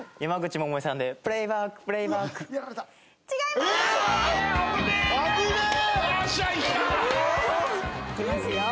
もう！いきますよ。